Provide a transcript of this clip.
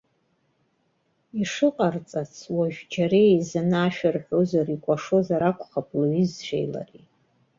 Ишыҟарҵац, уажәы џьара еизаны ашәа рҳәозар, икәашозар акәхап лҩызцәеи лареи.